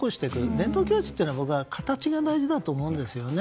伝統行事というのは形が大事だと思うんですよね。